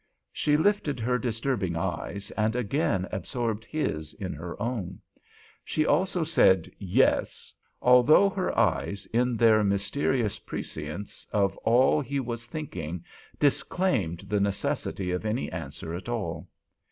She lifted her disturbing eyes, and again absorbed his in her own. She also said "Yes," although her eyes in their mysterious prescience of all he was thinking disclaimed the necessity of any answer at all.